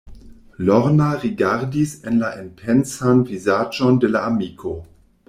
Lorna rigardis en la enpensan vizaĝon de la amiko.